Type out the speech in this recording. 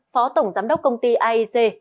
phó tổng giám đốc công ty aec